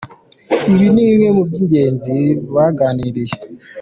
Ibi ni bimwe mu by’ingenzi baganiriye.